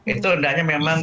itu hendaknya memang